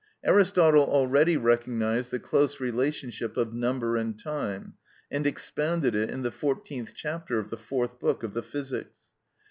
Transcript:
Aristotle already recognised the close relationship of number and time, and expounded it in the fourteenth chapter of the fourth book of the "Physics."